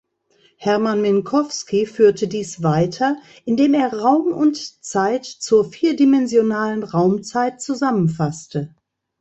Hermann Minkowski führte dies weiter, indem er Raum und Zeit zur vierdimensionalen Raumzeit zusammenfasste.